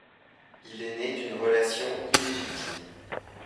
Il est né d'une relation illégitime.